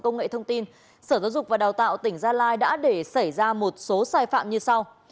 công nghệ thông tin sở giáo dục và đào tạo tỉnh gia lai đã để xảy ra một số sai phạm như sau